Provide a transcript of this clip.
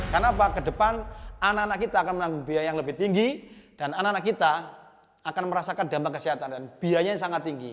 karena apa kedepan anak anak kita akan menanggung biaya yang lebih tinggi dan anak anak kita akan merasakan dampak kesehatan dan biayanya yang sangat tinggi